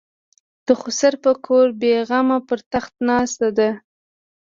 د خسر په کور بېغمه پر تخت ناسته ده.